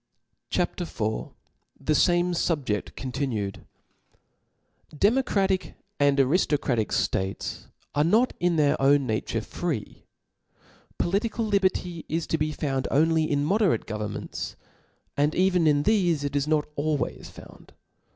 CHAP. IV. T/ie fame SubjeSi continued DEMOCRATIC and ariftocratic ftates are not in their own nature free. Political liberty is to be found only in moderate governments : and even in thefe, it is not always found.